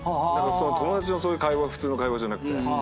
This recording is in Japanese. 友達のそういう会話普通の会話じゃなくて。